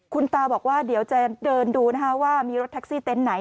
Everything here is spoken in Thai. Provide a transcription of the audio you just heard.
คุณตาบอกว่าเดี๋ยวจะเดินดูนะคะว่ามีรถแท็กซี่เต็นต์ไหน